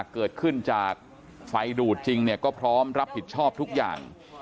เกิดขึ้นจากไฟดูดจริงก็พร้อมรับผิดชอบทุกอย่าง